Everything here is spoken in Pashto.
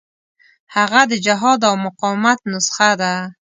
هغه د جهاد او مقاومت نسخه ده.